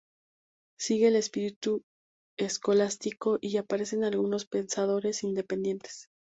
Sigue el espíritu escolástico, y aparecen algunos pensadores independientes.